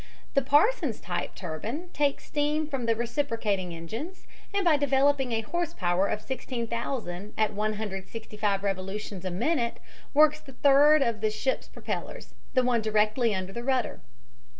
The Parsons type turbine takes steam from the reciprocating engines, and by developing a horse power of 16,000 at 165 revolutions a minute works the third of the ship's propellers, the one directly under the rudder.